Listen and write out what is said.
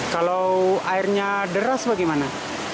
kalau airnya deras bagaimana